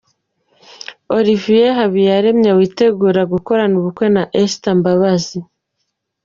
Olivier Habiyaremye witegura gukorana ubukwe na Esther Mbabazi.